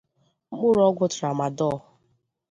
mkpụrụọgwụ tramadol.